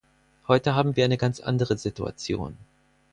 Heute haben wir eine ganz andere Situation.